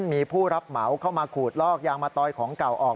มีผู้รับเหมาเข้ามาขูดลอกยางมะตอยของเก่าออก